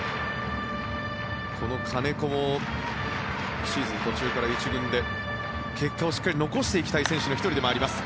この金子もシーズン途中から１軍で結果をしっかり残していきたい選手の１人でもあります。